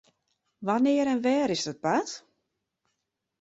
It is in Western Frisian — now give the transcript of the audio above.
Wannear en wêr is dat bard?